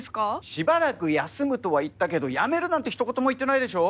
しばらく休むとは言ったけど辞めるなんて一言も言ってないでしょ！